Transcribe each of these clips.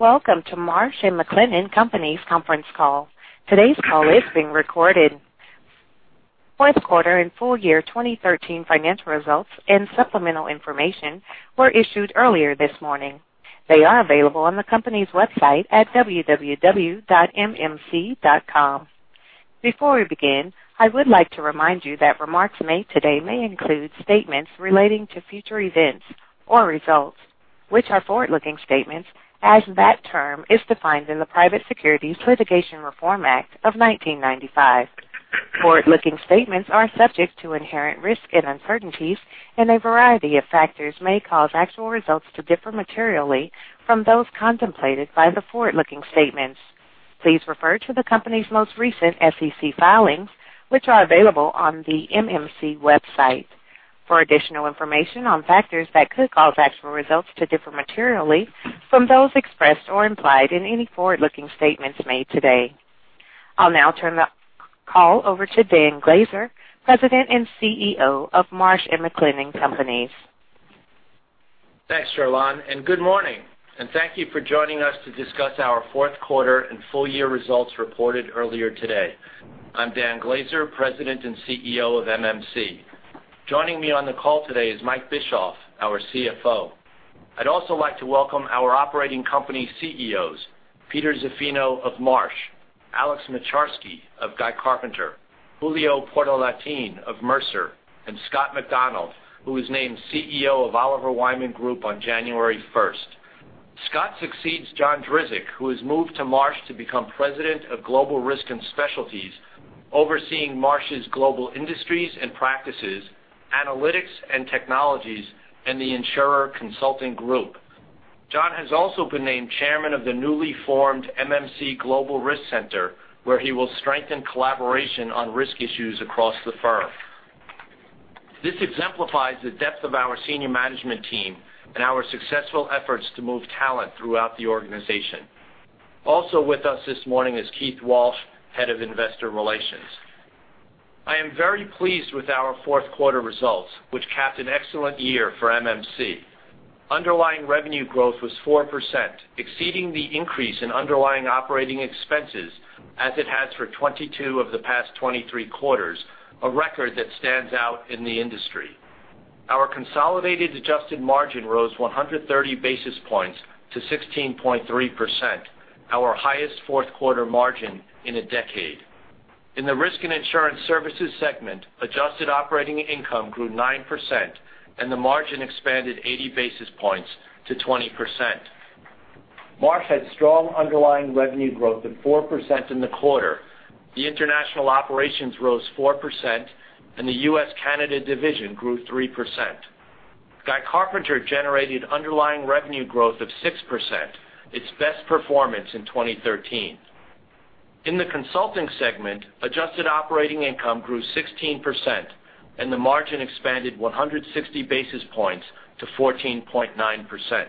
Welcome to Marsh & McLennan Companies conference call. Today's call is being recorded. Fourth quarter and full year 2013 financial results and supplemental information were issued earlier this morning. They are available on the company's website at www.mmc.com. Before we begin, I would like to remind you that remarks made today may include statements relating to future events or results, which are forward-looking statements as that term is defined in the Private Securities Litigation Reform Act of 1995. Forward-looking statements are subject to inherent risk and uncertainties, and a variety of factors may cause actual results to differ materially from those contemplated by the forward-looking statements. Please refer to the company's most recent SEC filings, which are available on the MMC website for additional information on factors that could cause actual results to differ materially from those expressed or implied in any forward-looking statements made today. I'll now turn the call over to Dan Glaser, President and CEO of Marsh & McLennan Companies. Thanks, Shirlon, good morning, and thank you for joining us to discuss our fourth quarter and full year results reported earlier today. I'm Dan Glaser, President and CEO of MMC. Joining me on the call today is Mike Bischoff, our CFO. I'd also like to welcome our operating company CEOs, Peter Zaffino of Marsh, Alex Moczarski of Guy Carpenter, Julio Portalatin of Mercer, and Scott McDonald, who was named CEO of Oliver Wyman Group on January 1st. Scott succeeds John Drzik, who has moved to Marsh to become President of Global Risk and Specialties, overseeing Marsh's global industries and practices, analytics and technologies, and the Insurer Consulting Group. John has also been named chairman of the newly formed MMC Global Risk Center, where he will strengthen collaboration on risk issues across the firm. This exemplifies the depth of our senior management team and our successful efforts to move talent throughout the organization. Also with us this morning is Keith Walsh, Head of Investor Relations. I am very pleased with our fourth quarter results, which capped an excellent year for MMC. Underlying revenue growth was 4%, exceeding the increase in underlying operating expenses as it has for 22 of the past 23 quarters, a record that stands out in the industry. Our consolidated adjusted margin rose 130 basis points to 16.3%, our highest fourth quarter margin in a decade. In the risk and insurance services segment, adjusted operating income grew 9%, and the margin expanded 80 basis points to 20%. Marsh had strong underlying revenue growth of 4% in the quarter. The international operations rose 4%, and the U.S. Canada division grew 3%. Guy Carpenter generated underlying revenue growth of 6%, its best performance in 2013. In the consulting segment, adjusted operating income grew 16%, and the margin expanded 160 basis points to 14.9%.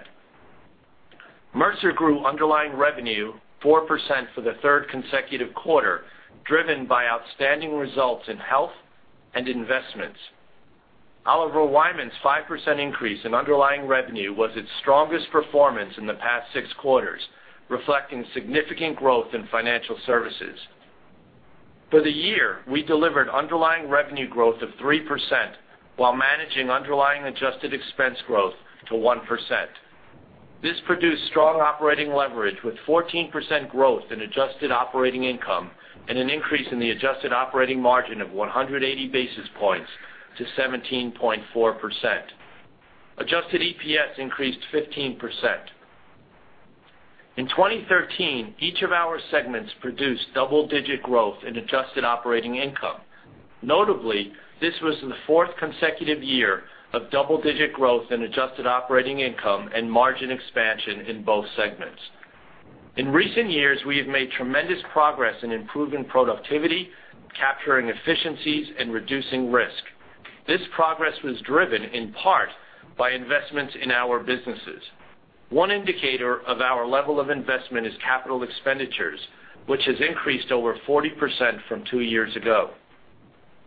Mercer grew underlying revenue 4% for the third consecutive quarter, driven by outstanding results in health and investments. Oliver Wyman's 5% increase in underlying revenue was its strongest performance in the past six quarters, reflecting significant growth in financial services. For the year, we delivered underlying revenue growth of 3% while managing underlying adjusted expense growth to 1%. This produced strong operating leverage with 14% growth in adjusted operating income and an increase in the adjusted operating margin of 180 basis points to 17.4%. Adjusted EPS increased 15%. In 2013, each of our segments produced double-digit growth in adjusted operating income. Notably, this was the fourth consecutive year of double-digit growth in adjusted operating income and margin expansion in both segments. In recent years, we have made tremendous progress in improving productivity, capturing efficiencies, and reducing risk. This progress was driven in part by investments in our businesses. One indicator of our level of investment is capital expenditures, which has increased over 40% from two years ago.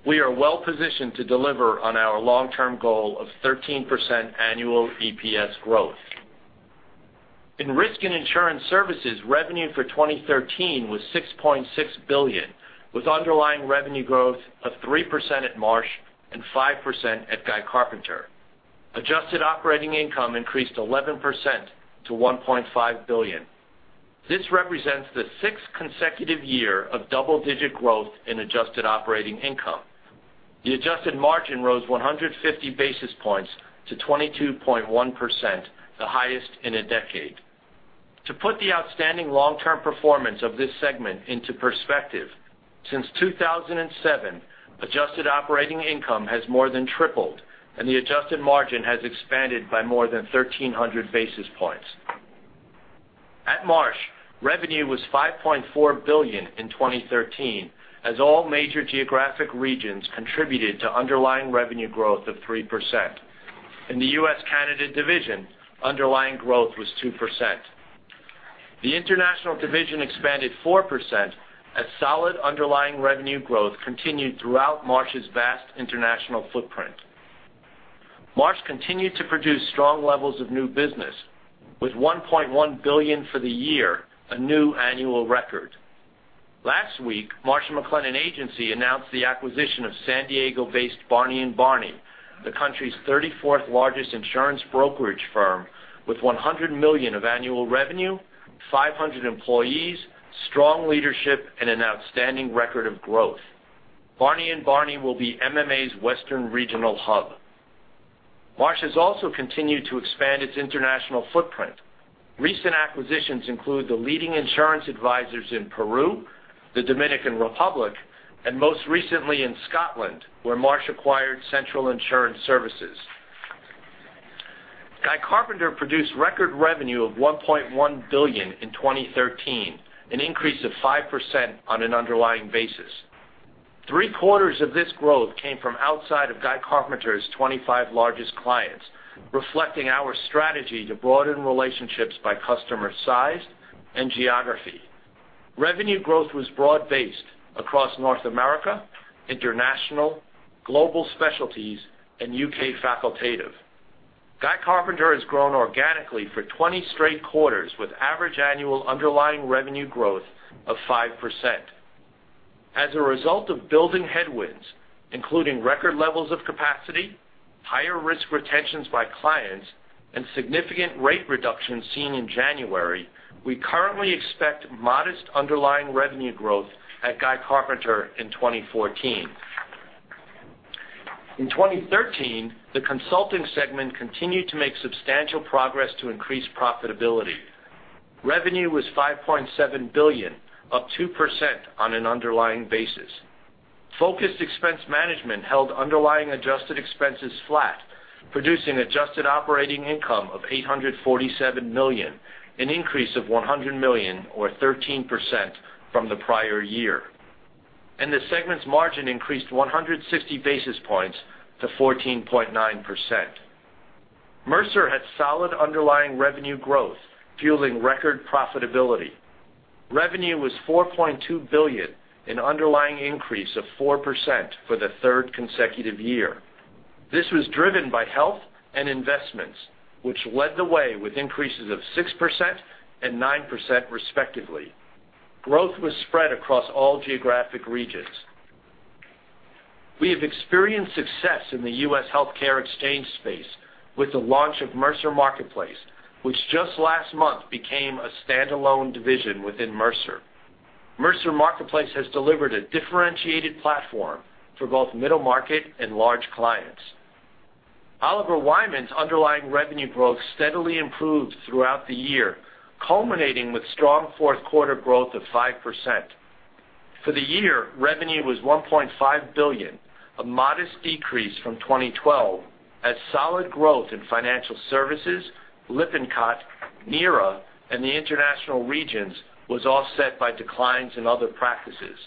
We are well positioned to deliver on our long-term goal of 13% annual EPS growth. In risk and insurance services, revenue for 2013 was $6.6 billion, with underlying revenue growth of 3% at Marsh and 5% at Guy Carpenter. Adjusted operating income increased 11% to $1.5 billion. This represents the sixth consecutive year of double-digit growth in adjusted operating income. The adjusted margin rose 150 basis points to 22.1%, the highest in a decade. To put the outstanding long-term performance of this segment into perspective, since 2007, adjusted operating income has more than tripled, and the adjusted margin has expanded by more than 1,300 basis points. At Marsh, revenue was $5.4 billion in 2013, as all major geographic regions contributed to underlying revenue growth of 3%. In the U.S. Canada division, underlying growth was 2%. The international division expanded 4% as solid underlying revenue growth continued throughout Marsh's vast international footprint. Marsh continued to produce strong levels of new business with $1.1 billion for the year, a new annual record. Last week, Marsh & McLennan Agency announced the acquisition of San Diego-based Barney & Barney, the country's 34th largest insurance brokerage firm with $100 million of annual revenue, 500 employees, strong leadership, and an outstanding record of growth. Barney & Barney will be MMA's Western regional hub. Marsh has also continued to expand its international footprint. Recent acquisitions include the leading insurance advisors in Peru, the Dominican Republic, and most recently in Scotland, where Marsh acquired Central Insurance Services. Guy Carpenter produced record revenue of $1.1 billion in 2013, an increase of 5% on an underlying basis. Three-quarters of this growth came from outside of Guy Carpenter's 25 largest clients, reflecting our strategy to broaden relationships by customer size and geography. Revenue growth was broad-based across North America, international, Global Specialties, and U.K. Facultative. Guy Carpenter has grown organically for 20 straight quarters with average annual underlying revenue growth of 5%. As a result of building headwinds, including record levels of capacity, higher risk retentions by clients, and significant rate reductions seen in January, we currently expect modest underlying revenue growth at Guy Carpenter in 2014. In 2013, the consulting segment continued to make substantial progress to increase profitability. Revenue was $5.7 billion, up 2% on an underlying basis. Focused expense management held underlying adjusted expenses flat, producing adjusted operating income of $847 million, an increase of $100 million or 13% from the prior year. The segment's margin increased 160 basis points to 14.9%. Mercer had solid underlying revenue growth, fueling record profitability. Revenue was $4.2 billion, an underlying increase of 4% for the third consecutive year. This was driven by health and investments, which led the way with increases of 6% and 9% respectively. Growth was spread across all geographic regions. We have experienced success in the U.S. healthcare exchange space with the launch of Mercer Marketplace, which just last month became a standalone division within Mercer. Mercer Marketplace has delivered a differentiated platform for both middle market and large clients. Oliver Wyman's underlying revenue growth steadily improved throughout the year, culminating with strong fourth quarter growth of 5%. For the year, revenue was $1.5 billion, a modest decrease from 2012, as solid growth in financial services, Lippincott, NERA, and the international regions was offset by declines in other practices.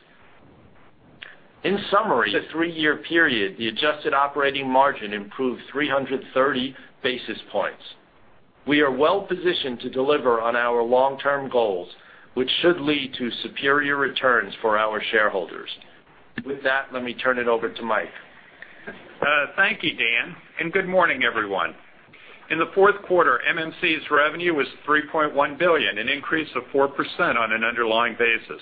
In summary, the three-year period, the adjusted operating margin improved 330 basis points. We are well-positioned to deliver on our long-term goals, which should lead to superior returns for our shareholders. With that, let me turn it over to Mike. Thank you, Dan, and good morning, everyone. In the fourth quarter, MMC's revenue was $3.1 billion, an increase of 4% on an underlying basis.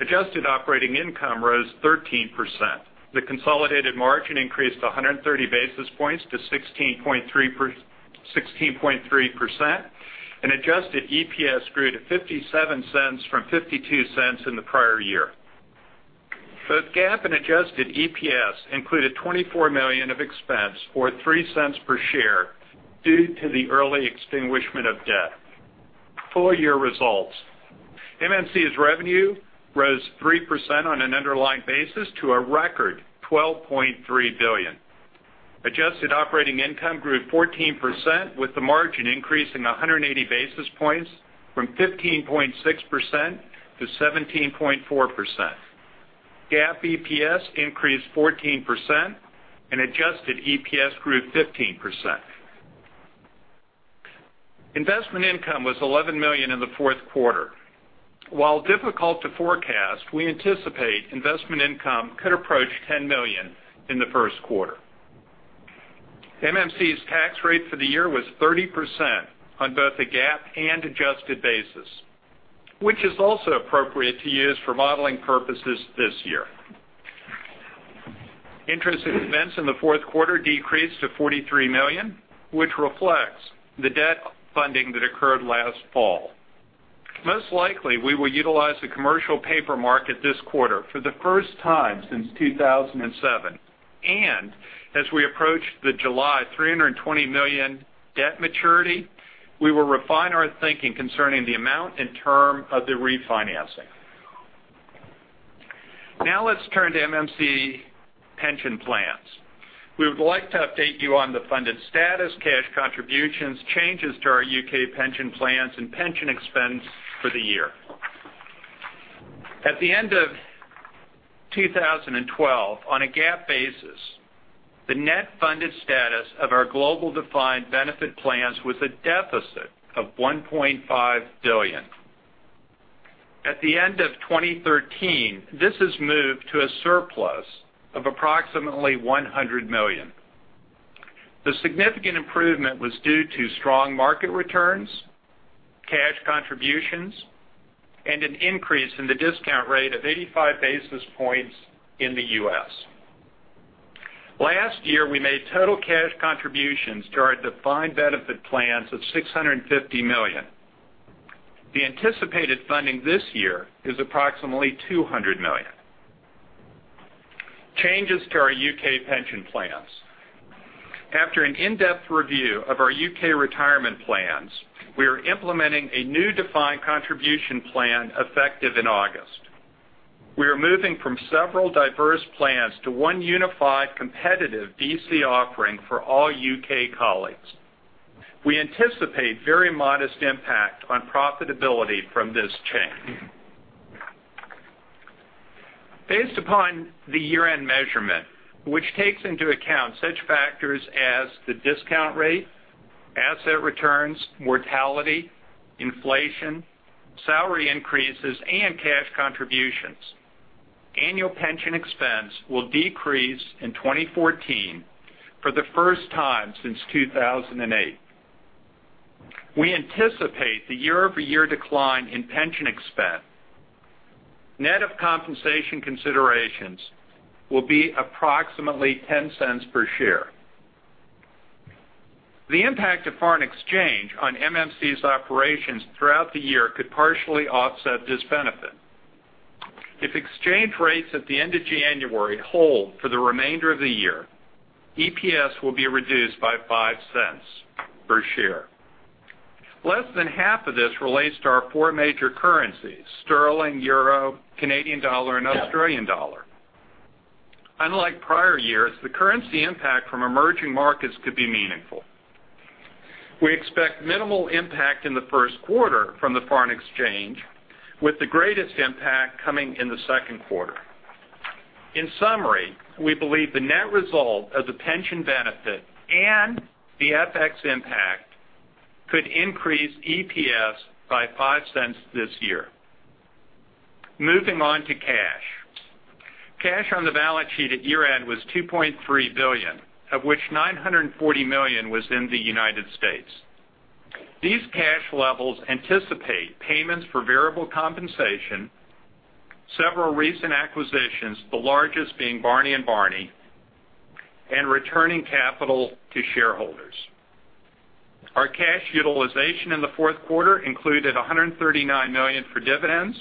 Adjusted operating income rose 13%. The consolidated margin increased 130 basis points to 16.3%, and adjusted EPS grew to $0.57 from $0.52 in the prior year. Both GAAP and adjusted EPS included $24 million of expense or $0.03 per share due to the early extinguishment of debt. Full-year results. MMC's revenue rose 3% on an underlying basis to a record $12.3 billion. Adjusted operating income grew 14%, with the margin increasing 180 basis points from 15.6% to 17.4%. GAAP EPS increased 14%, and adjusted EPS grew 15%. Investment income was $11 million in the fourth quarter. While difficult to forecast, we anticipate investment income could approach $10 million in the first quarter. MMC's tax rate for the year was 30% on both a GAAP and adjusted basis, which is also appropriate to use for modeling purposes this year. Interest expense in the fourth quarter decreased to $43 million, which reflects the debt funding that occurred last fall. Most likely, we will utilize the commercial paper market this quarter for the first time since 2007, and as we approach the July $320 million debt maturity, we will refine our thinking concerning the amount and term of the refinancing. Let's turn to MMC pension plans. We would like to update you on the funded status, cash contributions, changes to our U.K. pension plans, and pension expense for the year. At the end of 2012, on a GAAP basis, the net funded status of our global defined benefit plans was a deficit of $1.5 billion. At the end of 2013, this has moved to a surplus of approximately $100 million. The significant improvement was due to strong market returns, cash contributions, and an increase in the discount rate of 85 basis points in the U.S. Last year, we made total cash contributions to our defined benefit plans of $650 million. The anticipated funding this year is approximately $200 million. Changes to our U.K. pension plans. After an in-depth review of our U.K. retirement plans, we are implementing a new defined contribution plan effective in August. We are moving from several diverse plans to one unified competitive DC offering for all U.K. colleagues. We anticipate very modest impact on profitability from this change. Based upon the year-end measurement, which takes into account such factors as the discount rate, asset returns, mortality, inflation, salary increases, and cash contributions, annual pension expense will decrease in 2014 for the first time since 2008. We anticipate the year-over-year decline in pension expense, net of compensation considerations, will be approximately $0.10 per share. The impact of foreign exchange on MMC's operations throughout the year could partially offset this benefit. If exchange rates at the end of January hold for the remainder of the year, EPS will be reduced by $0.05 per share. Less than half of this relates to our four major currencies, GBP, EUR, CAD, and AUD. Unlike prior years, the currency impact from emerging markets could be meaningful. We expect minimal impact in the first quarter from the foreign exchange, with the greatest impact coming in the second quarter. In summary, we believe the net result of the pension benefit and the FX impact could increase EPS by $0.05 this year. Moving on to cash. Cash on the balance sheet at year-end was $2.3 billion, of which $940 million was in the U.S. These cash levels anticipate payments for variable compensation, several recent acquisitions, the largest being Barney & Barney, and returning capital to shareholders. Our cash utilization in the fourth quarter included $139 million for dividends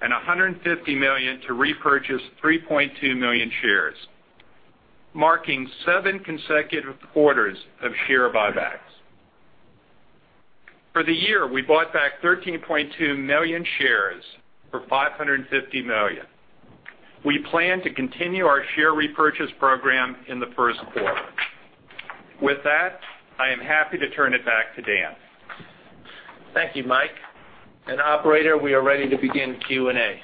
and $150 million to repurchase 3.2 million shares, marking seven consecutive quarters of share buybacks. For the year, we bought back 13.2 million shares for $550 million. We plan to continue our share repurchase program in the first quarter. With that, I am happy to turn it back to Dan. Thank you, Mike. Operator, we are ready to begin Q&A.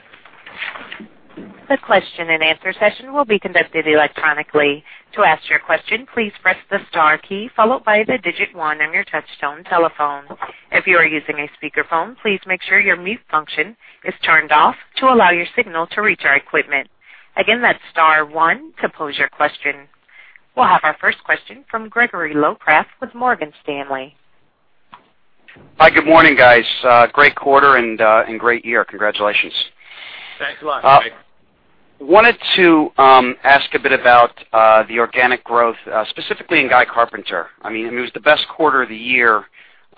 The question and answer session will be conducted electronically. To ask your question, please press the star key followed by the 1 on your touch-tone telephone. If you are using a speakerphone, please make sure your mute function is turned off to allow your signal to reach our equipment. Again, that's star 1 to pose your question. We'll have our first question from Gregory Locraft with Morgan Stanley. Hi. Good morning, guys. Great quarter and great year. Congratulations. Thanks a lot, Greg. Wanted to ask a bit about the organic growth, specifically in Guy Carpenter. It was the best quarter of the year,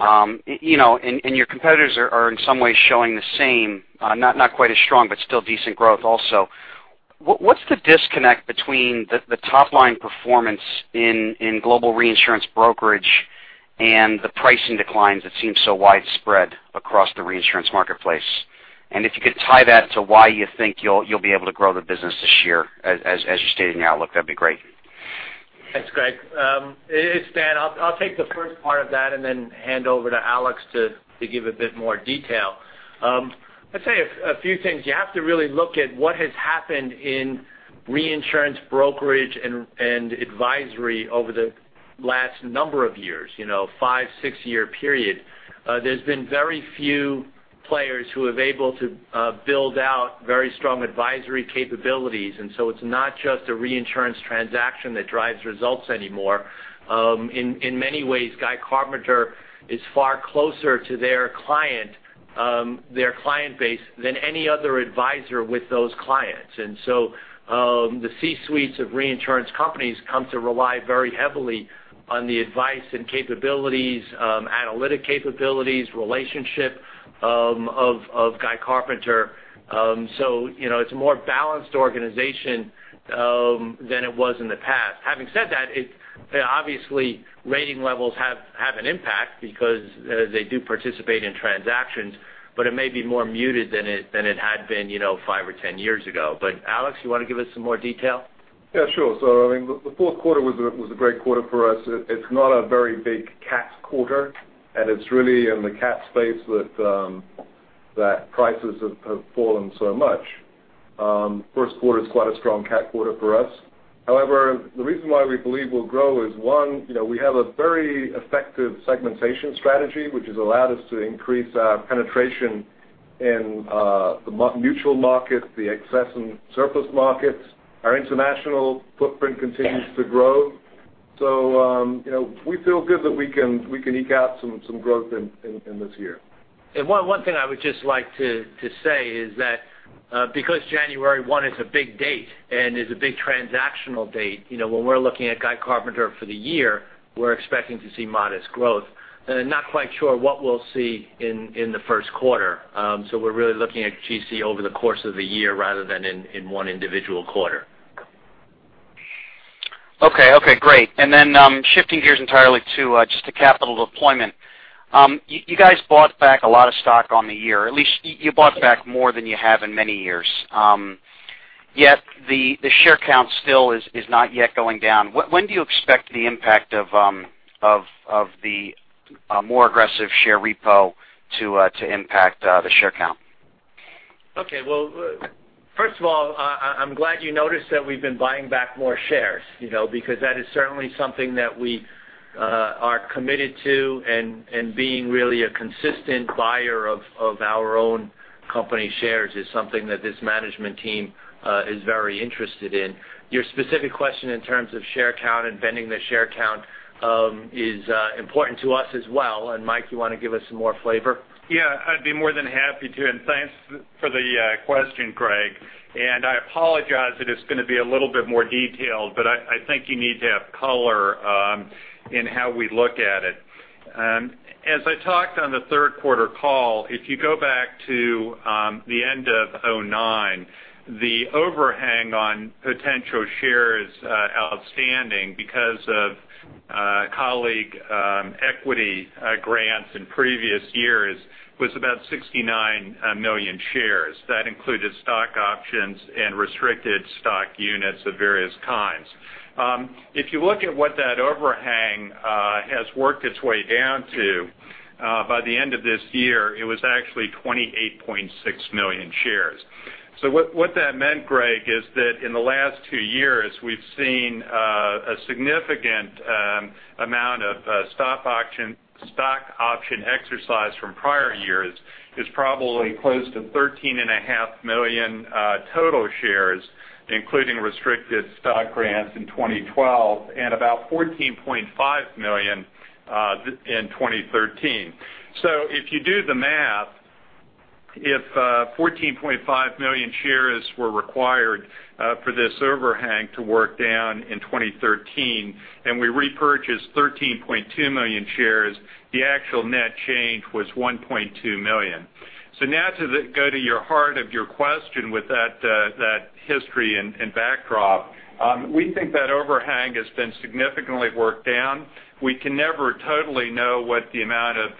and your competitors are in some ways showing the same, not quite as strong, but still decent growth also. What's the disconnect between the top-line performance in global reinsurance brokerage and the pricing declines that seem so widespread across the reinsurance marketplace? If you could tie that to why you think you'll be able to grow the business this year, as you stated in your outlook, that'd be great. Thanks, Greg. It's Dan. I'll take the first part of that and then hand over to Alex to give a bit more detail. I'd say a few things. You have to really look at what has happened in reinsurance brokerage and advisory over the last number of years, 5, 6-year period. There's been very few players who have able to build out very strong advisory capabilities. It's not just a reinsurance transaction that drives results anymore. In many ways, Guy Carpenter is far closer to their client base than any other advisor with those clients. The C-suites of reinsurance companies come to rely very heavily on the advice and capabilities, analytic capabilities, relationship of Guy Carpenter. It's a more balanced organization than it was in the past. Having said that, obviously rating levels have an impact because they do participate in transactions, it may be more muted than it had been 5 or 10 years ago. Alex, you want to give us some more detail? Yeah, sure. The fourth quarter was a great quarter for us. It's not a very big cat quarter, and it's really in the cat space that prices have fallen so much. First quarter is quite a strong cat quarter for us. However, the reason why we believe we'll grow is 1, we have a very effective segmentation strategy, which has allowed us to increase our penetration in the mutual market, the excess and surplus markets. Our international footprint continues to grow. We feel good that we can eke out some growth in this year. One thing I would just like to say is that because January 1 is a big date and is a big transactional date, when we're looking at Guy Carpenter for the year, we're expecting to see modest growth, not quite sure what we'll see in the first quarter. We're really looking at GC over the course of the year rather than in one individual quarter. Okay, great. Shifting gears entirely to just the capital deployment. You guys bought back a lot of stock on the year. At least you bought back more than you have in many years, yet the share count still is not yet going down. When do you expect the impact of the more aggressive share repo to impact the share count? Okay. Well, first of all, I'm glad you noticed that we've been buying back more shares, because that is certainly something that we are committed to, and being really a consistent buyer of our own company shares is something that this management team is very interested in. Your specific question in terms of share count and bending the share count, is important to us as well. Mike, you want to give us some more flavor? Yeah, I'd be more than happy to, thanks for the question, Greg, I apologize that it's going to be a little bit more detailed, but I think you need to have color in how we look at it. As I talked on the third quarter call, if you go back to the end of 2009, the overhang on potential shares outstanding because of colleague equity grants in previous years was about 69 million shares. That included stock options and restricted stock units of various kinds. If you look at what that overhang has worked its way down to by the end of this year, it was actually 28.6 million shares. What that meant, Greg, is that in the last two years, we've seen a significant amount of stock option exercise from prior years is probably close to 13.5 million total shares, including restricted stock grants in 2012 and about 14.5 million in 2013. If you do the math, if 14.5 million shares were required for this overhang to work down in 2013, and we repurchased 13.2 million shares, the actual net change was 1.2 million. Now to go to your heart of your question with that history and backdrop, we think that overhang has been significantly worked down. We can never totally know what the amount of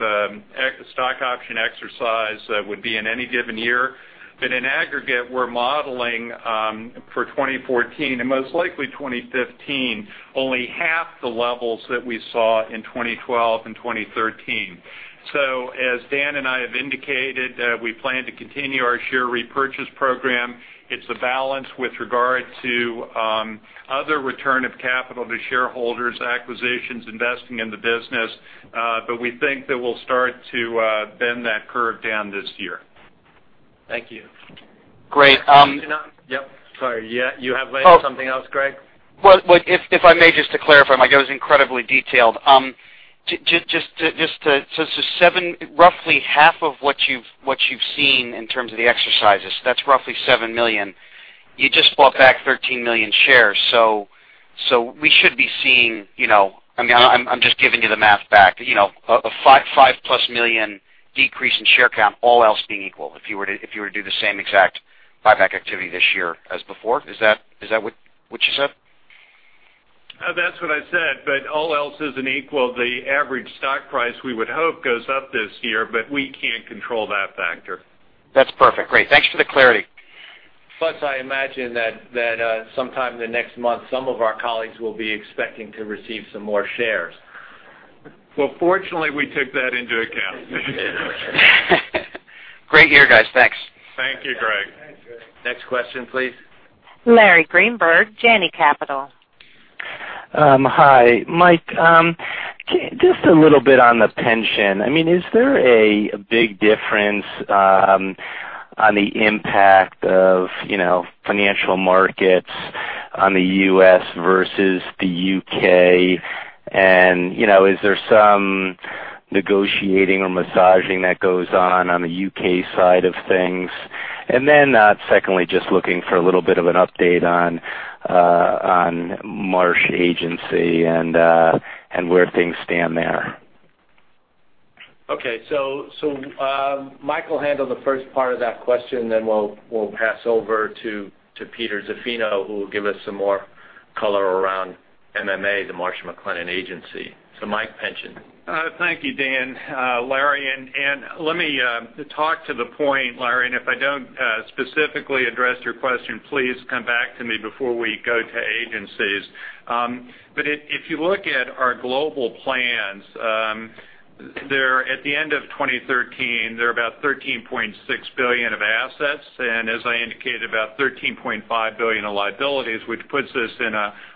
stock option exercise would be in any given year. In aggregate, we're modeling for 2014, and most likely 2015, only half the levels that we saw in 2012 and 2013. As Dan and I have indicated, we plan to continue our share repurchase program. It's a balance with regard to other return of capital to shareholders, acquisitions, investing in the business. We think that we'll start to bend that curve down this year. Thank you. Sorry. You have something else, Greg? If I may, just to clarify, Mike, that was incredibly detailed. Roughly half of what you've seen in terms of the exercises, that's roughly $7 million. You just bought back 13 million shares. We should be seeing, I'm just giving you the math back, a 5-plus million decrease in share count, all else being equal, if you were to do the same exact buyback activity this year as before. Is that what you said? That's what I said, all else isn't equal. The average stock price, we would hope, goes up this year, we can't control that factor. That's perfect. Great. Thanks for the clarity. I imagine that sometime in the next month, some of our colleagues will be expecting to receive some more shares. Well, fortunately, we took that into account. Great here, guys. Thanks. Thank you, Greg. Thanks, Greg. Next question, please. Larry Greenberg, Janney Capital. Hi. Mike, just a little bit on the pension. Is there a big difference on the impact of financial markets on the U.S. versus the U.K.? Is there some negotiating or massaging that goes on the U.K. side of things? Secondly, just looking for a little bit of an update on Marsh agency and where things stand there. Okay. Mike will handle the first part of that question, then we'll pass over to Peter Zaffino, who will give us some more color around MMA, the Marsh & McLennan Agency. Mike, pension. Thank you, Dan. Larry, let me talk to the point, Larry, if I don't specifically address your question, please come back to me before we go to agencies. If you look at our global plans, at the end of 2013, there are about $13.6 billion of assets, and as I indicated, about $13.5 billion of liabilities, which puts us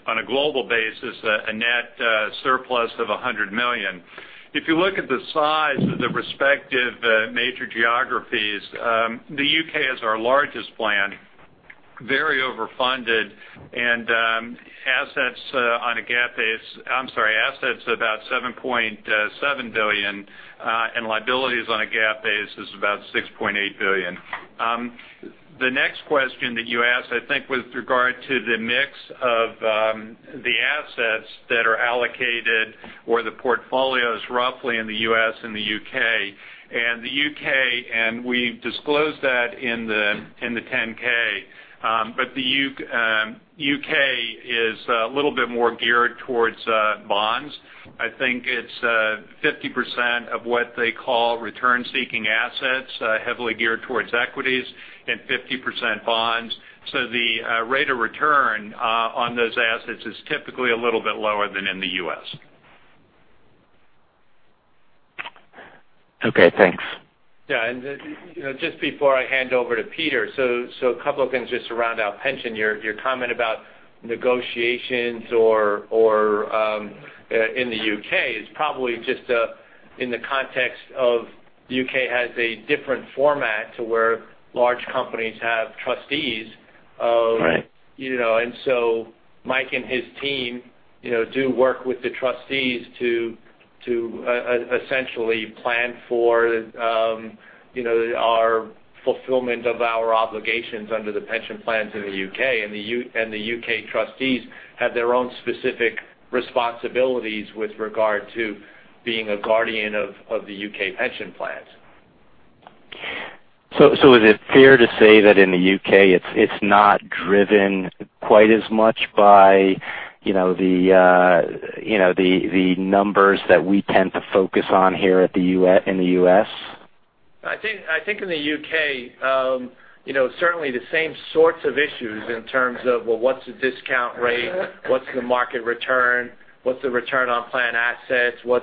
on a global basis, a net surplus of $100 million. If you look at the size of the respective major geographies, the U.K. is our largest plan Very overfunded, and assets about $7.7 billion, and liabilities on a GAAP base is about $6.8 billion. The next question that you asked, I think with regard to the mix of the assets that are allocated or the portfolios roughly in the U.S. and the U.K. The U.K., we've disclosed that in the 10K, the U.K. is a little bit more geared towards bonds. I think it's 50% of what they call return-seeking assets, heavily geared towards equities and 50% bonds. The rate of return on those assets is typically a little bit lower than in the U.S. Okay, thanks. Yeah. Just before I hand over to Peter, a couple of things just to round out pension, your comment about negotiations or in the U.K. is probably just in the context of the U.K. has a different format to where large companies have trustees of. Right Mike and his team do work with the trustees to essentially plan for our fulfillment of our obligations under the pension plans in the U.K. The U.K. trustees have their own specific responsibilities with regard to being a guardian of the U.K. pension plans. Is it fair to say that in the U.K. it's not driven quite as much by the numbers that we tend to focus on here in the U.S.? I think in the U.K., certainly the same sorts of issues in terms of, well, what's the discount rate? What's the market return? What's the return on plan assets? What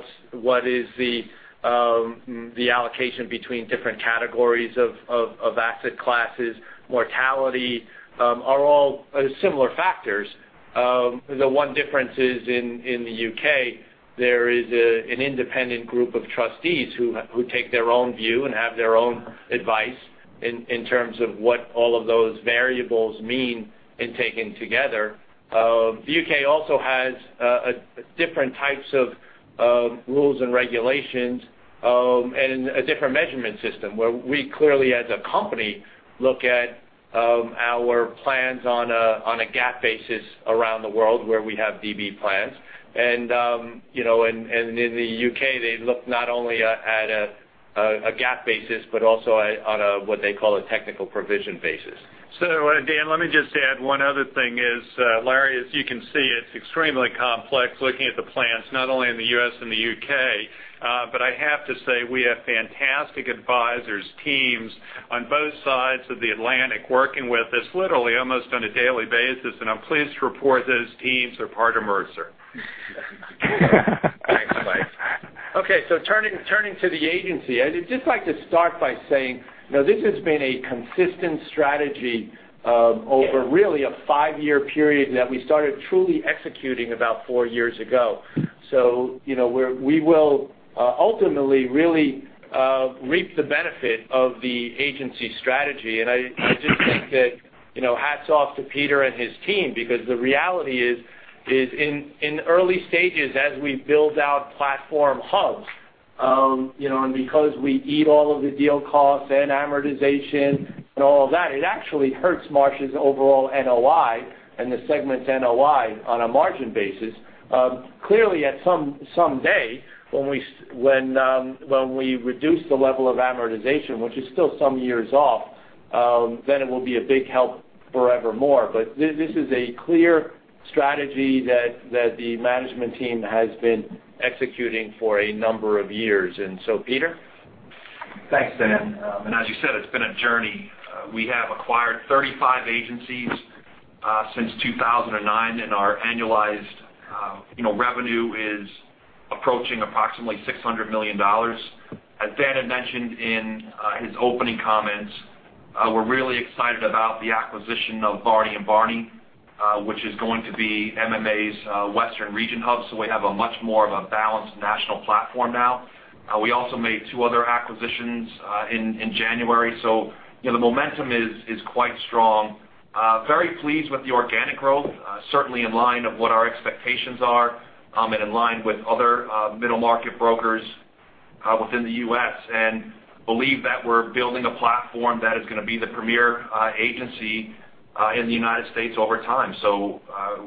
is the allocation between different categories of asset classes, mortality, are all similar factors. The one difference is in the U.K., there is an independent group of trustees who take their own view and have their own advice in terms of what all of those variables mean in taking together. The U.K. also has different types of rules and regulations, and a different measurement system, where we clearly, as a company, look at our plans on a GAAP basis around the world where we have DB plans. In the U.K., they look not only at a GAAP basis, but also on a, what they call a technical provision basis. Dan, let me just add one other thing is, Larry, as you can see, it's extremely complex looking at the plans, not only in the U.S. and the U.K., but I have to say we have fantastic advisors, teams on both sides of the Atlantic working with us, literally almost on a daily basis. I'm pleased to report those teams are part of Mercer. Thanks, Mike. Turning to the agency, I'd just like to start by saying, this has been a consistent strategy over really a five-year period that we started truly executing about four years ago. We will ultimately really reap the benefit of the agency strategy. I just think that hats off to Peter and his team because the reality is, in early stages, as we build out platform hubs, and because we eat all of the deal costs and amortization and all of that, it actually hurts Marsh's overall NOI and the segment's NOI on a margin basis. Clearly, at some day, when we reduce the level of amortization, which is still some years off, then it will be a big help forevermore. This is a clear strategy that the management team has been executing for a number of years. Peter? Thanks, Dan. As you said, it's been a journey. We have acquired 35 agencies since 2009. Our annualized revenue is approaching approximately $600 million. As Dan had mentioned in his opening comments, we're really excited about the acquisition of Barney & Barney, which is going to be MMA's western region hub. We have a much more of a balanced national platform now. We also made two other acquisitions in January. The momentum is quite strong. Very pleased with the organic growth, certainly in line of what our expectations are, in line with other middle-market brokers within the U.S., and believe that we're building a platform that is going to be the premier agency in the United States over time.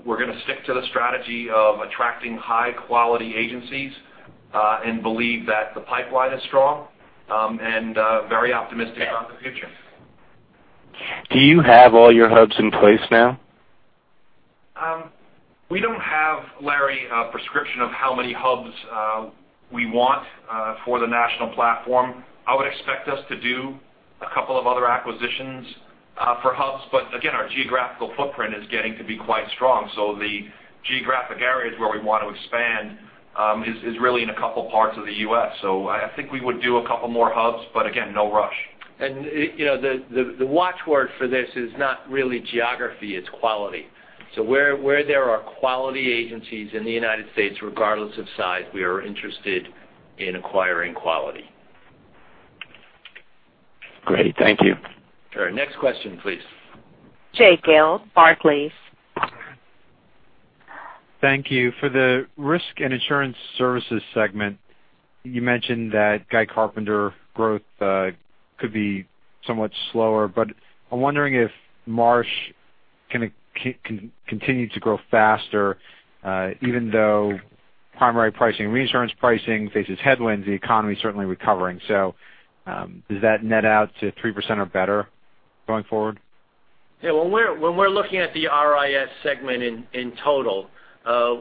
We're going to stick to the strategy of attracting high-quality agencies, believe that the pipeline is strong, and very optimistic on the future. Do you have all your hubs in place now? We don't have, Larry, a prescription of how many hubs we want for the national platform. I would expect us to do a couple of other acquisitions for hubs. Again, our geographical footprint is getting to be quite strong. The geographic areas where we want to expand is really in a couple parts of the U.S. I think we would do a couple more hubs, but again, no rush. The watch word for this is not really geography, it's quality. Where there are quality agencies in the United States, regardless of size, we are interested in acquiring quality. Great. Thank you. All right, next question, please. Jay Gelb, Barclays. Thank you. For the risk and insurance services segment, you mentioned that Guy Carpenter growth could be somewhat slower, but I'm wondering if Marsh can continue to grow faster, even though primary pricing, reinsurance pricing faces headwinds, the economy is certainly recovering. Does that net out to 3% or better going forward? Yeah. When we're looking at the RIS segment in total,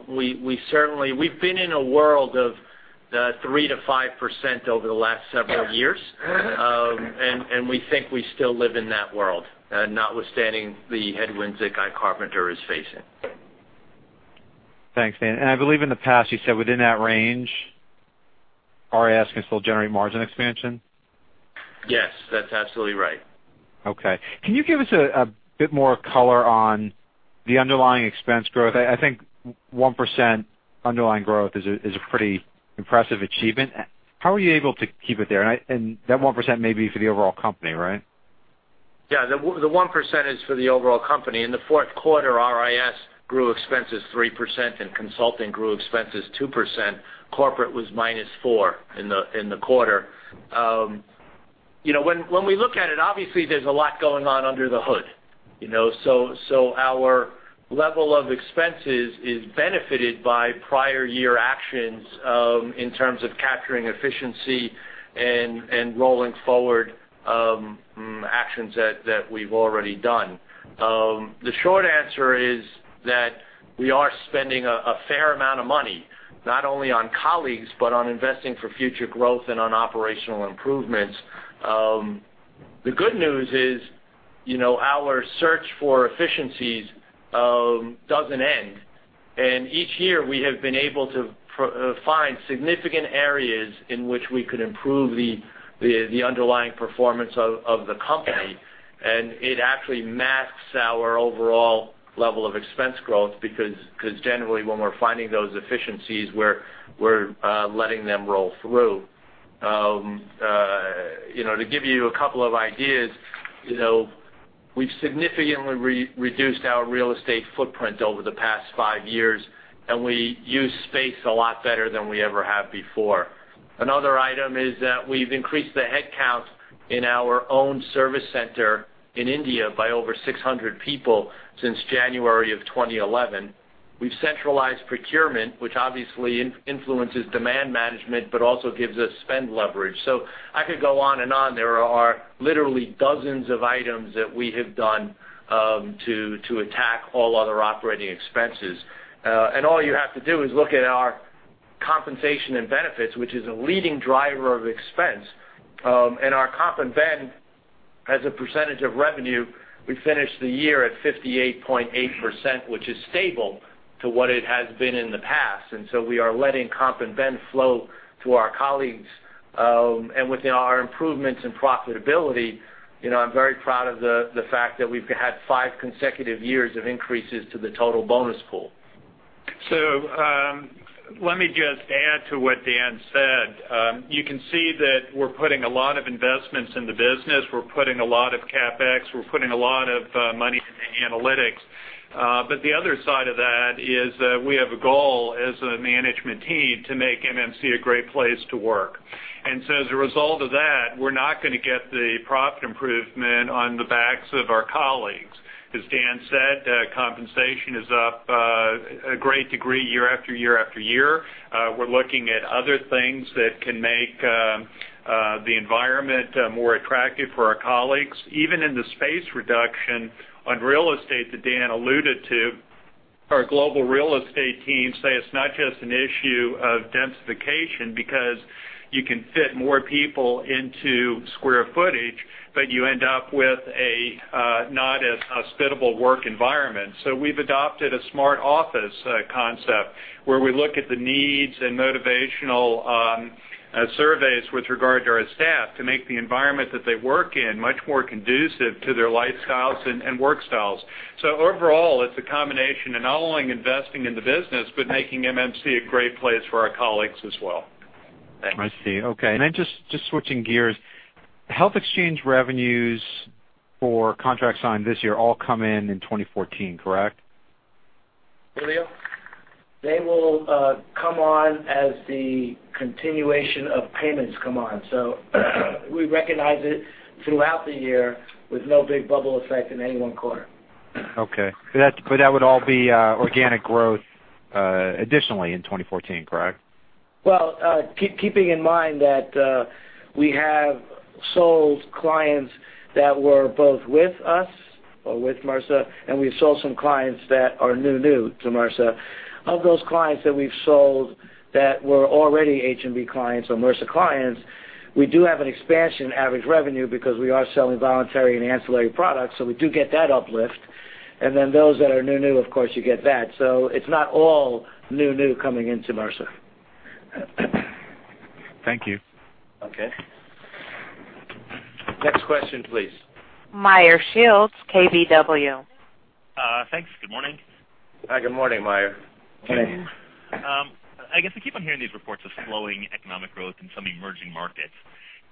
we've been in a world of 3%-5% over the last several years. We think we still live in that world, notwithstanding the headwinds that Guy Carpenter is facing. Thanks, Dan. I believe in the past you said within that range, RIS can still generate margin expansion? Yes, that's absolutely right. Okay. Can you give us a bit more color on the underlying expense growth? I think 1% underlying growth is a pretty impressive achievement. How are you able to keep it there? That 1% may be for the overall company, right? Yeah, the 1% is for the overall company. In the fourth quarter, RIS grew expenses 3% and consulting grew expenses 2%. Corporate was -4% in the quarter. When we look at it, obviously there's a lot going on under the hood. Our level of expenses is benefited by prior year actions, in terms of capturing efficiency and rolling forward actions that we've already done. The short answer is that we are spending a fair amount of money, not only on colleagues, but on investing for future growth and on operational improvements. The good news is, our search for efficiencies doesn't end. Each year, we have been able to find significant areas in which we could improve the underlying performance of the company, and it actually masks our overall level of expense growth, because generally, when we're finding those efficiencies, we're letting them roll through. To give you a couple of ideas, we've significantly reduced our real estate footprint over the past five years, and we use space a lot better than we ever have before. Another item is that we've increased the headcount in our own service center in India by over 600 people since January of 2011. We've centralized procurement, which obviously influences demand management, but also gives us spend leverage. I could go on and on. There are literally dozens of items that we have done to attack all other operating expenses. All you have to do is look at our compensation and benefits, which is a leading driver of expense. Our comp and ben, as a percentage of revenue, we finished the year at 58.8%, which is stable to what it has been in the past. We are letting comp and ben flow to our colleagues. Within our improvements in profitability, I'm very proud of the fact that we've had five consecutive years of increases to the total bonus pool. Let me just add to what Dan said. You can see that we're putting a lot of investments in the business. We're putting a lot of CapEx. We're putting a lot of money into analytics. The other side of that is that we have a goal as a management team to make MMC a great place to work. As a result of that, we're not going to get the profit improvement on the backs of our colleagues. As Dan said, compensation is up a great degree year after year after year. We're looking at other things that can make the environment more attractive for our colleagues. Even in the space reduction on real estate that Dan alluded to, our global real estate teams say it's not just an issue of densification, because you can fit more people into square footage, but you end up with a not as hospitable work environment. We've adopted a smart office concept, where we look at the needs and motivational surveys with regard to our staff to make the environment that they work in much more conducive to their lifestyles and work styles. Overall, it's a combination of not only investing in the business, but making MMC a great place for our colleagues as well. I see. Okay. Just switching gears. Health exchange revenues for contracts signed this year all come in in 2014, correct? Julio? They will come on as the continuation of payments come on. We recognize it throughout the year with no big bubble effect in any one quarter. Okay. That would all be organic growth additionally in 2014, correct? Well, keeping in mind that we have sold clients that were both with us or with Mercer, and we sold some clients that are new to Mercer. Of those clients that we've sold that were already H&B clients or Mercer clients, we do have an expansion average revenue because we are selling voluntary and ancillary products, so we do get that uplift. Those that are new, of course, you get that. It's not all new coming into Mercer. Thank you. Okay. Next question, please. Meyer Shields, KBW. Thanks. Good morning. Good morning, Meyer. I guess we keep on hearing these reports of slowing economic growth in some emerging markets.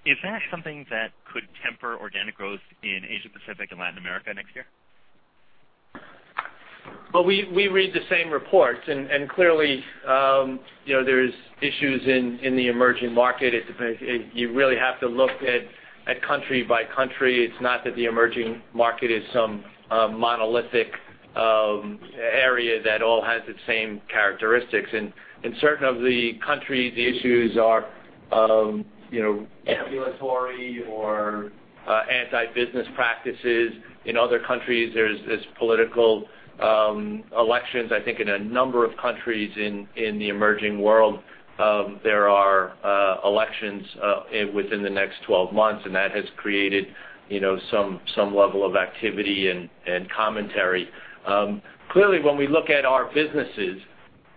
Is that something that could temper organic growth in Asia Pacific and Latin America next year? Well, we read the same reports. Clearly, there's issues in the emerging market. You really have to look at country by country. It's not that the emerging market is some monolithic area that all has the same characteristics. In certain of the countries, the issues are ambulatory or anti-business practices. In other countries, there's political elections, I think in a number of countries in the emerging world, there are elections within the next 12 months, and that has created some level of activity and commentary. Clearly, when we look at our businesses,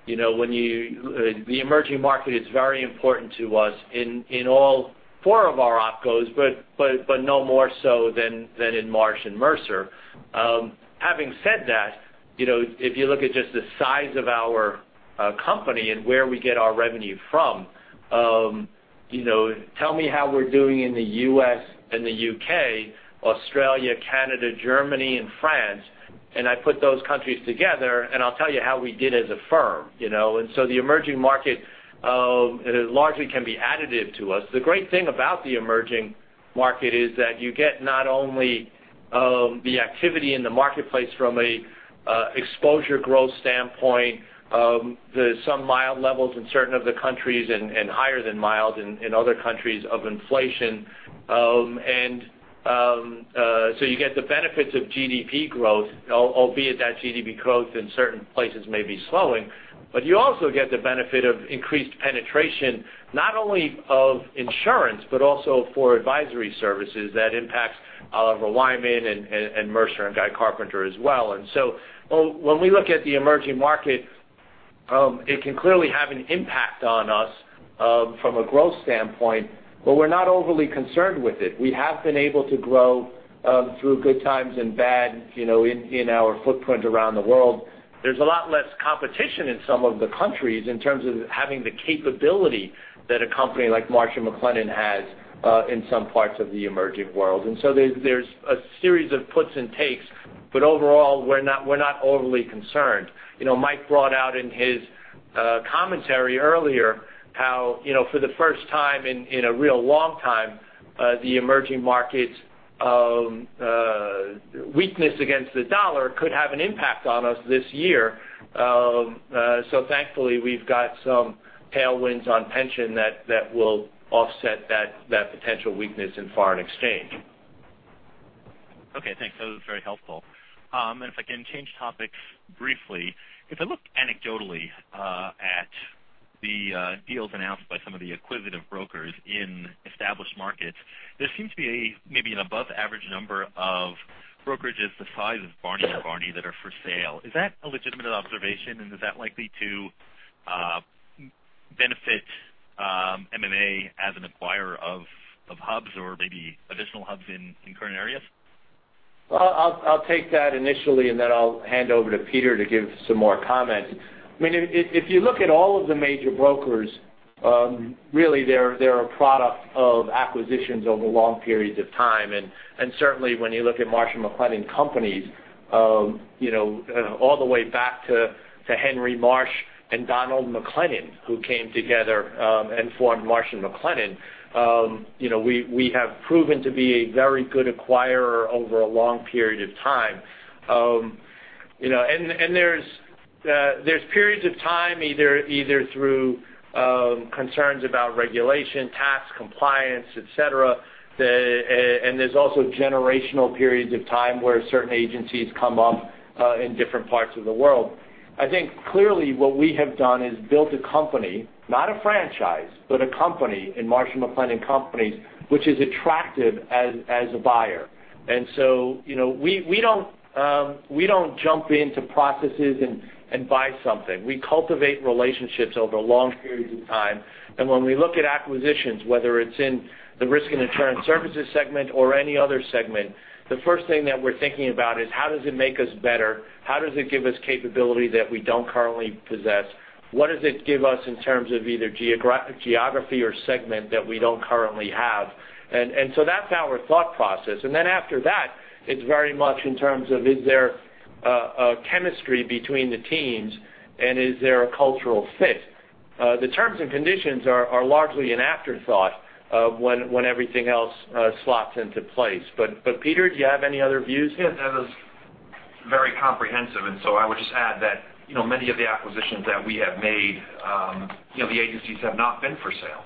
the emerging market is very important to us in all four of our opcos, but no more so than in Marsh & Mercer. Having said that, if you look at just the size of our company and where we get our revenue from, tell me how we're doing in the U.S. and the U.K., Australia, Canada, Germany, and France, I put those countries together, and I'll tell you how we did as a firm. The emerging market largely can be additive to us. The great thing about the emerging market is that you get not only the activity in the marketplace from an exposure growth standpoint, there's some mild levels in certain of the countries and higher than mild in other countries of inflation. You get the benefits of GDP growth, albeit that GDP growth in certain places may be slowing. You also get the benefit of increased penetration, not only of insurance, but also for advisory services that impacts Oliver Wyman and Mercer and Guy Carpenter as well. When we look at the emerging market, it can clearly have an impact on us from a growth standpoint, but we're not overly concerned with it. We have been able to grow through good times and bad in our footprint around the world. There's a lot less competition in some of the countries in terms of having the capability that a company like Marsh & McLennan has in some parts of the emerging world. There's a series of puts and takes, but overall, we're not overly concerned. Mike brought out in his commentary earlier how, for the first time in a real long time, the emerging markets' weakness against the dollar could have an impact on us this year. Thankfully, we've got some tailwinds on pension that will offset that potential weakness in foreign exchange. Okay, thanks. That was very helpful. If I can change topics briefly, if I look anecdotally at the deals announced by some of the acquisitive brokers in established markets, there seems to be maybe an above average number of brokerages the size of Barney & Barney that are for sale. Is that a legitimate observation, and is that likely to benefit MMA as an acquirer of hubs or maybe additional hubs in current areas? I'll take that initially, then I'll hand over to Peter to give some more comment. If you look at all of the major brokers, really, they're a product of acquisitions over long periods of time. Certainly when you look at Marsh & McLennan Companies, all the way back to Henry Marsh and Donald McLennan, who came together and formed Marsh & McLennan, we have proven to be a very good acquirer over a long period of time. There's periods of time, either through concerns about regulation, tax compliance, et cetera, there's also generational periods of time where certain agencies come up in different parts of the world. I think clearly what we have done is built a company, not a franchise, but a company in Marsh & McLennan Companies, which is attractive as a buyer. We don't jump into processes and buy something. We cultivate relationships over long periods of time. When we look at acquisitions, whether it's in the risk and insurance services segment or any other segment, the first thing that we're thinking about is how does it make us better? How does it give us capability that we don't currently possess? What does it give us in terms of either geography or segment that we don't currently have? That's our thought process. Then after that, it's very much in terms of, is there a chemistry between the teams, and is there a cultural fit? The terms and conditions are largely an afterthought when everything else slots into place. Peter, do you have any other views? Yes, that was very comprehensive, I would just add that many of the acquisitions that we have made, the agencies have not been for sale.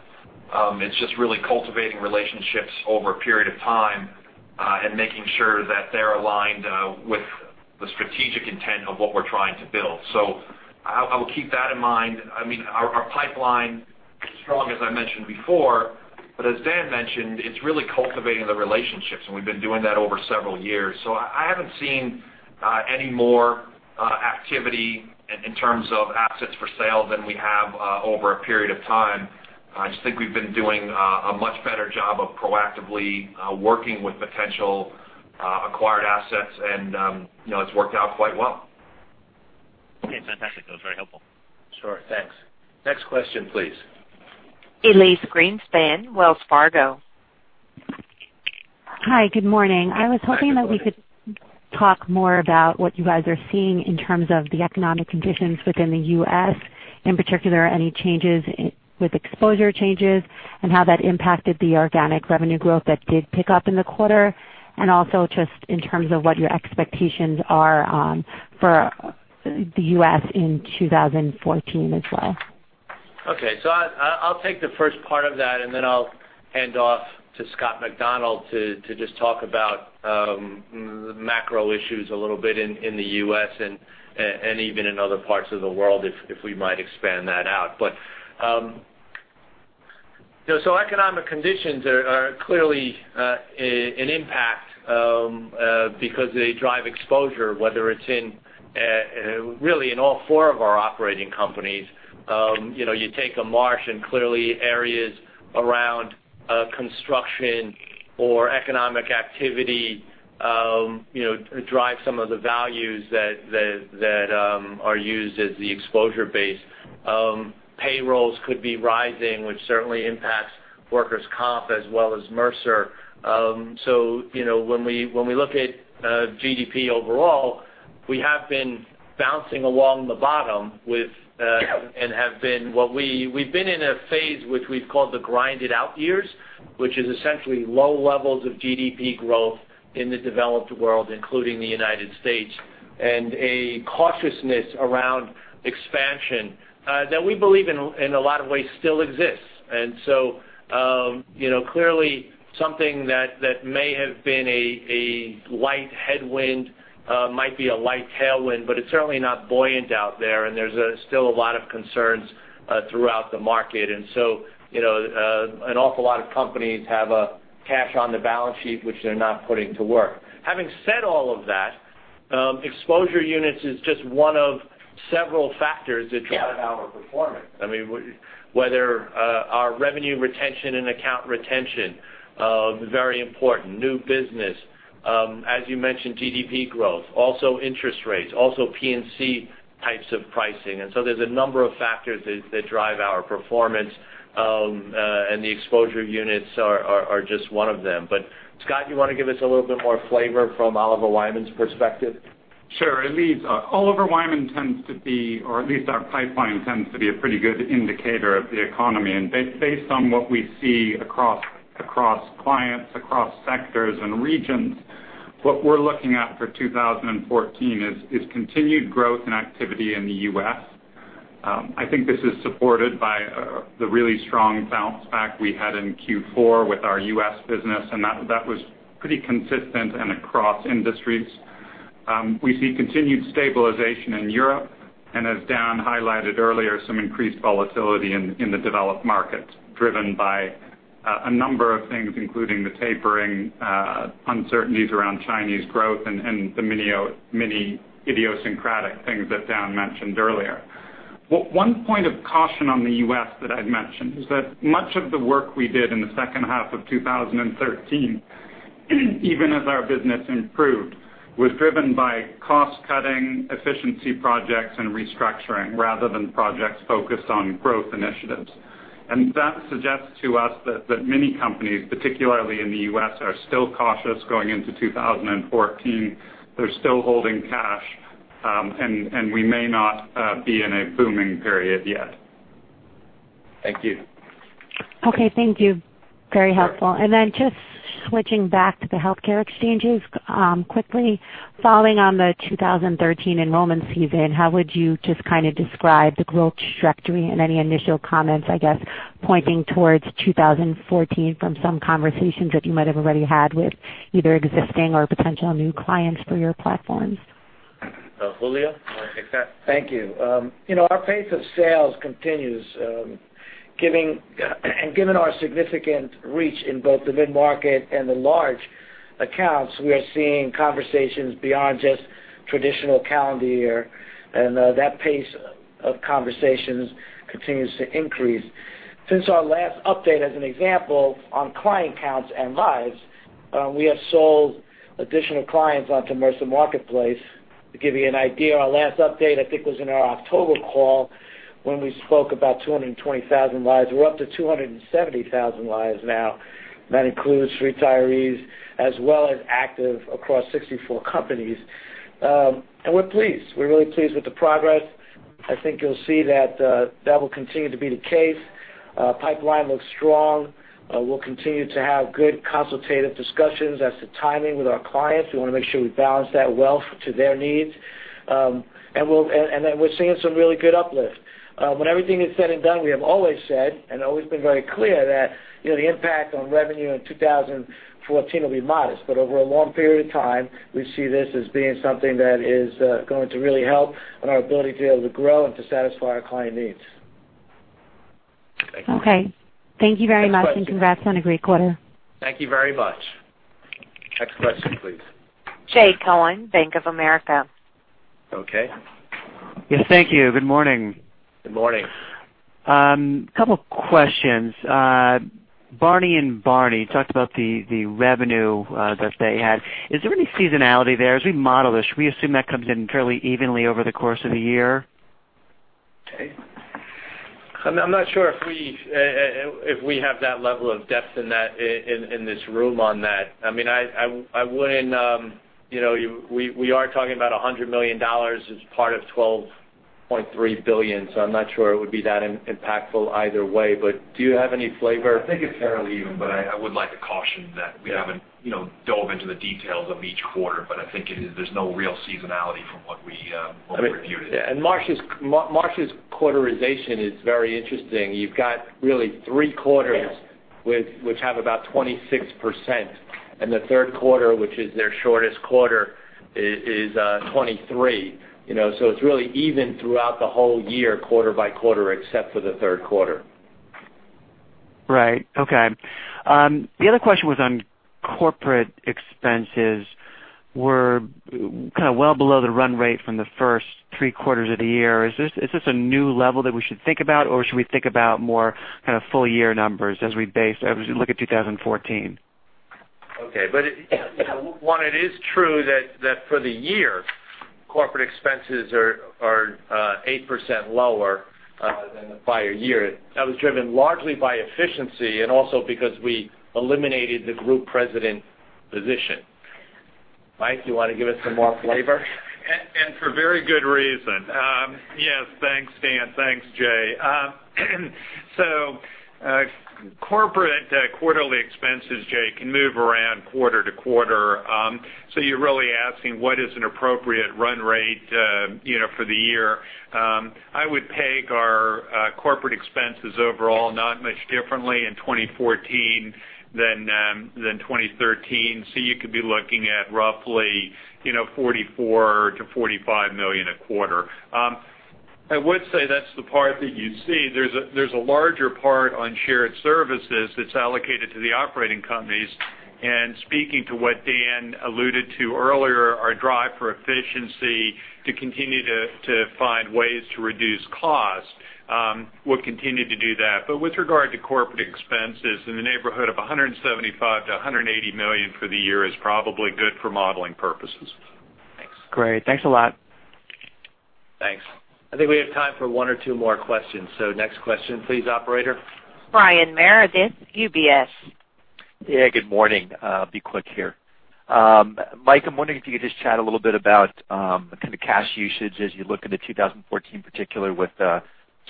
It's just really cultivating relationships over a period of time and making sure that they're aligned with the strategic intent of what we're trying to build. I would keep that in mind. Our pipeline is strong, as I mentioned before, as Dan mentioned, it's really cultivating the relationships, and we've been doing that over several years. I haven't seen any more activity in terms of assets for sale than we have over a period of time. I just think we've been doing a much better job of proactively working with potential acquired assets, and it's worked out quite well. Okay, fantastic. That was very helpful. Sure. Thanks. Next question, please. Elyse Greenspan, Wells Fargo. Hi. Good morning. Hi, good morning. I was hoping that we could talk more about what you guys are seeing in terms of the economic conditions within the U.S. In particular, any changes with exposure changes, and how that impacted the organic revenue growth that did pick up in the quarter, also just in terms of what your expectations are for the U.S. in 2014 as well. Okay. I'll take the first part of that, then I'll hand off to Scott McDonald to just talk about macro issues a little bit in the U.S. and even in other parts of the world if we might expand that out. Economic conditions are clearly an impact because they drive exposure, whether it's in really in all four of our operating companies. You take a Marsh and clearly areas around construction or economic activity drive some of the values that are used as the exposure base. Payrolls could be rising, which certainly impacts workers' comp as well as Mercer. When we look at GDP overall, we have been bouncing along the bottom, and we've been in a phase which we've called the grind-it-out years, which is essentially low levels of GDP growth in the developed world, including the United States, and a cautiousness around expansion, that we believe in a lot of ways still exists. Clearly something that may have been a light headwind might be a light tailwind, but it's certainly not buoyant out there. There's still a lot of concerns throughout the market. An awful lot of companies have a cash on the balance sheet, which they're not putting to work. Having said all of that, exposure units is just one of several factors that drive our performance. Whether our revenue retention and account retention, very important, new business, as you mentioned, GDP growth, also interest rates, also P&C types of pricing. There's a number of factors that drive our performance, and the exposure units are just one of them. Scott, you want to give us a little bit more flavor from Oliver Wyman's perspective? Sure. Elyse, Oliver Wyman tends to be, or at least our pipeline tends to be a pretty good indicator of the economy. Based on what we see across clients, across sectors and regions, what we're looking at for 2014 is continued growth and activity in the U.S. I think this is supported by the really strong bounce back we had in Q4 with our U.S. business, and that was pretty consistent and across industries. We see continued stabilization in Europe, as Dan highlighted earlier, some increased volatility in the developed markets, driven by a number of things, including the tapering, uncertainties around Chinese growth, and the many idiosyncratic things that Dan mentioned earlier. One point of caution on the U.S. that I'd mention is that much of the work we did in the second half of 2013, even as our business improved, was driven by cost-cutting, efficiency projects, and restructuring rather than projects focused on growth initiatives. That suggests to us that many companies, particularly in the U.S., are still cautious going into 2014. They're still holding cash, and we may not be in a booming period yet. Thank you. Okay. Thank you. Very helpful. Then just switching back to the healthcare exchanges, quickly, following on the 2013 enrollment season, how would you just kind of describe the growth trajectory and any initial comments, I guess, pointing towards 2014 from some conversations that you might have already had with either existing or potential new clients for your platforms? Julio, you want to take that? Thank you. Our pace of sales continues. Given our significant reach in both the mid-market and the large accounts, we are seeing conversations beyond just traditional calendar year. That pace of conversations continues to increase. Since our last update, as an example, on client counts and lives, we have sold additional clients onto Mercer Marketplace. To give you an idea, our last update, I think, was in our October call, when we spoke about 220,000 lives. We're up to 270,000 lives now. That includes retirees as well as active across 64 companies. We're pleased. We're really pleased with the progress. I think you'll see that will continue to be the case. Pipeline looks strong. We'll continue to have good consultative discussions as to timing with our clients. We want to make sure we balance that well to their needs. We're seeing some really good uplift. When everything is said and done, we have always said, and always been very clear that, the impact on revenue in 2014 will be modest. Over a long period of time, we see this as being something that is going to really help on our ability to be able to grow and to satisfy our client needs. Thank you. Okay. Thank you very much. Next question. Congrats on a great quarter. Thank you very much. Next question, please. Jay Cohen, Bank of America. Okay. Yes, thank you. Good morning. Good morning. A couple of questions. Barney & Barney talked about the revenue that they had. Is there any seasonality there? As we model this, should we assume that comes in fairly evenly over the course of the year? Okay. I'm not sure if we have that level of depth in this room on that. We are talking about $100 million as part of $12.3 billion, so I'm not sure it would be that impactful either way. Do you have any flavor? I think it's fairly even, but I would like to caution that we haven't dove into the details of each quarter. I think there's no real seasonality from what we reviewed. Marsh's quarterization is very interesting. You've got really three quarters which have about 26%, and the third quarter, which is their shortest quarter, is 23%. It's really even throughout the whole year, quarter by quarter, except for the third quarter. Right. Okay. The other question was on corporate expenses were well below the run rate from the first three quarters of the year. Is this a new level that we should think about, or should we think about more full year numbers as we look at 2014? Okay. It is true that for the year, corporate expenses are 8% lower than the prior year. That was driven largely by efficiency and also because we eliminated the group president position. Mike, do you want to give us some more flavor? For very good reason. Yes, thanks, Dan. Thanks, Jay. Corporate quarterly expenses, Jay, can move around quarter to quarter. You're really asking what is an appropriate run rate for the year. I would take our corporate expenses overall not much differently in 2014 than 2013. You could be looking at roughly $44 million-$45 million a quarter. I would say that's the part that you see. There's a larger part on shared services that's allocated to the operating companies. Speaking to what Dan alluded to earlier, our drive for efficiency to continue to find ways to reduce costs, we'll continue to do that. With regard to corporate expenses, in the neighborhood of $175 million-$180 million for the year is probably good for modeling purposes. Thanks. Great. Thanks a lot. Thanks. I think we have time for one or two more questions. Next question please, operator. Brian Meredith, UBS. Yeah, good morning. I'll be quick here. Mike, I'm wondering if you could just chat a little bit about the kind of cash usage as you look into 2014, particularly with the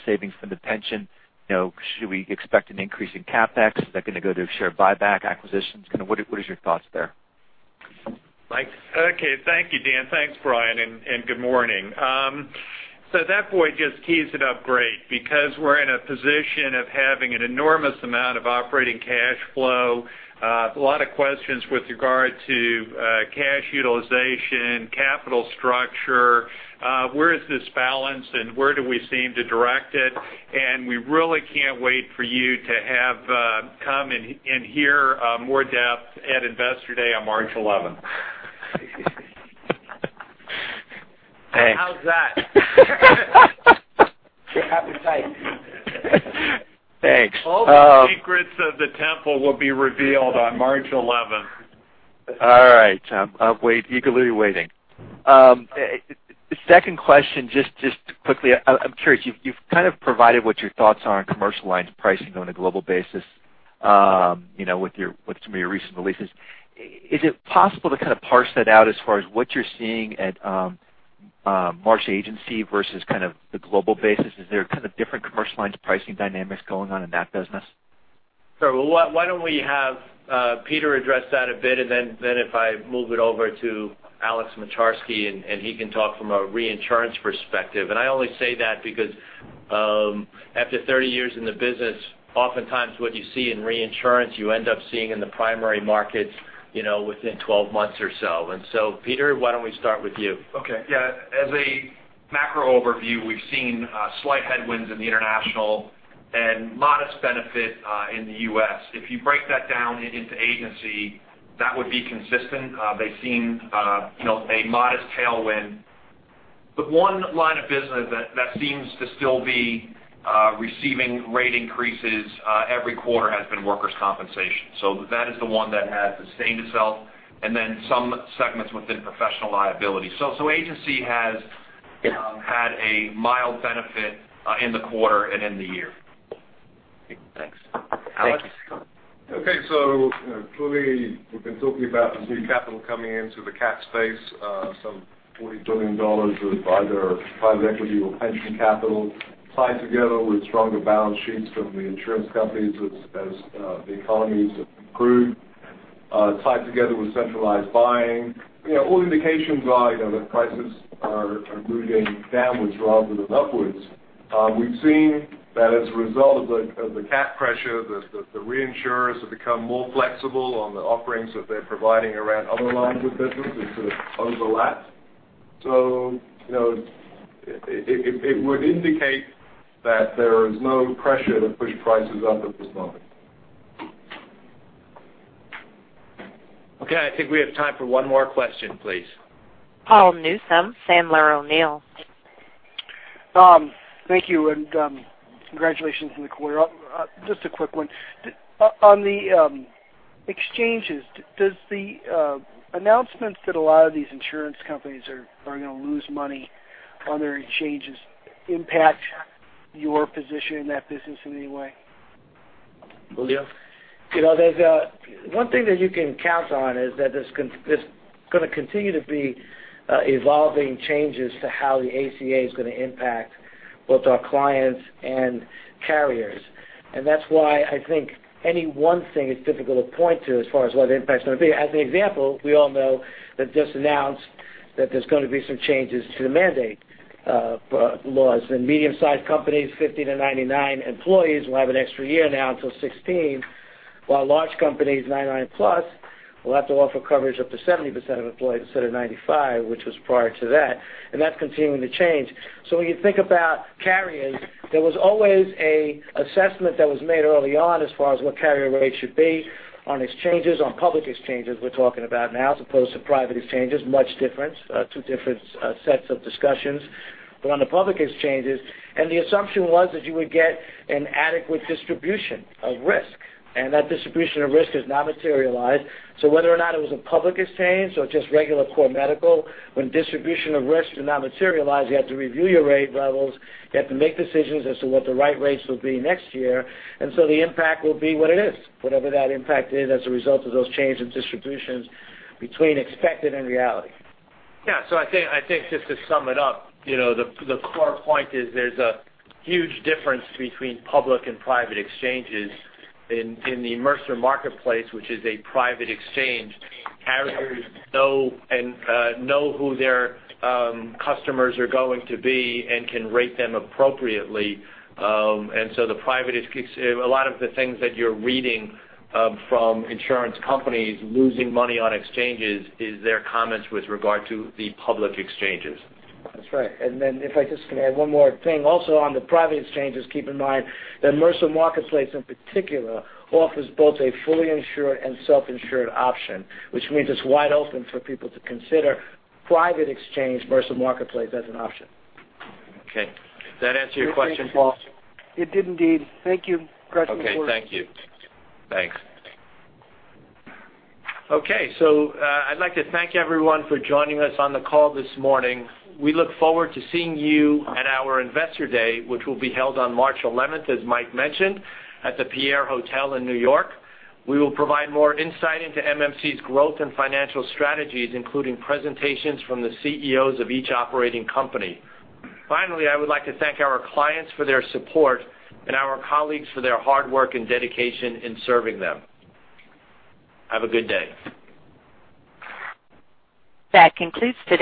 savings from the pension. Should we expect an increase in CapEx? Is that going to go to share buyback acquisitions? What is your thoughts there? Mike? Okay. Thank you, Dan. Thanks, Brian, and good morning. That point just tees it up great because we're in a position of having an enormous amount of operating cash flow, a lot of questions with regard to cash utilization, capital structure, where is this balance and where do we seem to direct it, and we really can't wait for you to come and hear more depth at Investor Day on March 11th. Thanks. How's that? Appetite. Thanks. All the secrets of the temple will be revealed on March 11th. All right. Eagerly waiting. Second question, just quickly, I'm curious, you've kind of provided what your thoughts are on commercial lines pricing on a global basis with some of your recent releases. Is it possible to kind of parse that out as far as what you're seeing at Marsh Agency versus the global basis? Is there kind of different commercial lines pricing dynamics going on in that business? Why don't we have Peter address that a bit, if I move it over to Alexander Moczarski, he can talk from a reinsurance perspective. I only say that because after 30 years in the business, oftentimes what you see in reinsurance, you end up seeing in the primary markets within 12 months or so. Peter, why don't we start with you? Okay. Yeah. As a macro overview, we've seen slight headwinds in the international and modest benefit in the U.S. If you break that down into Agency, that would be consistent. They've seen a modest tailwind. The one line of business that seems to still be receiving rate increases every quarter has been workers' compensation. That is the one that has sustained itself, and then some segments within professional liability. Agency has had a mild benefit in the quarter and in the year. Thanks. Alex? Thank you. Okay, clearly we've been talking about the new capital coming into the cat space, some $40 billion of either private equity or pension capital tied together with stronger balance sheets from the insurance companies as the economies have improved, tied together with centralized buying. All indications are that prices are moving downwards rather than upwards. We've seen that as a result of the cat pressure, the reinsurers have become more flexible on the offerings that they're providing around other lines of business into the overlap. It would indicate that there is no pressure to push prices up at this moment. Okay, I think we have time for one more question, please. Paul Newsome, Sandler O'Neill. Thank you, and congratulations on the quarter. Just a quick one. On the exchanges, does the announcements that a lot of these insurance companies are going to lose money on their exchanges impact your position in that business in any way? Julio? One thing that you can count on is that there's going to continue to be evolving changes to how the ACA is going to impact both our clients and carriers. That's why I think any one thing is difficult to point to as far as what the impact is going to be. As an example, we all know they've just announced that there's going to be some changes to the mandate laws, medium-sized companies, 50-99 employees, will have an extra year now till 2016, while large companies, 99+, will have to offer coverage up to 70% of employees instead of 95, which was prior to that's continuing to change. When you think about carriers, there was always a assessment that was made early on as far as what carrier rates should be on exchanges, on public exchanges we're talking about now, as opposed to private exchanges, much different, two different sets of discussions. On the public exchanges, the assumption was that you would get an adequate distribution of risk, that distribution of risk has not materialized. Whether or not it was a public exchange or just regular core medical, when distribution of risk did not materialize, you have to review your rate levels, you have to make decisions as to what the right rates will be next year. The impact will be what it is, whatever that impact is as a result of those change in distributions between expected and reality. Yeah. I think just to sum it up, the core point is there's a huge difference between public and private exchanges. In the Mercer Marketplace, which is a private exchange, carriers know who their customers are going to be and can rate them appropriately. A lot of the things that you're reading from insurance companies losing money on exchanges is their comments with regard to the public exchanges. That's right. Then if I just can add one more thing. Also, on the private exchanges, keep in mind that Mercer Marketplace in particular offers both a fully insured and self-insured option, which means it's wide open for people to consider private exchange Mercer Marketplace as an option. Okay. Does that answer your question, Paul? It did indeed. Thank you. Congratulations. Okay, thank you. Thanks. I'd like to thank everyone for joining us on the call this morning. We look forward to seeing you at our Investor Day, which will be held on March 11th, as Mike mentioned, at the Pierre Hotel in New York. We will provide more insight into MMC's growth and financial strategies, including presentations from the CEOs of each operating company. Finally, I would like to thank our clients for their support and our colleagues for their hard work and dedication in serving them. Have a good day. That concludes today.